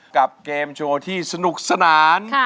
กับเกมโชว์ที่สนุกสนาน